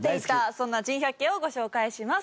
そんな珍百景をご紹介します。